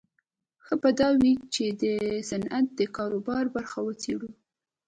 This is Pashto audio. ښه به دا وي چې د صنعت د کاروبار برخه وڅېړو